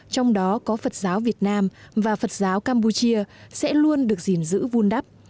trong đó có phật giáo việt nam và phật giáo campuchia sẽ luôn được gìn giữ vun đắp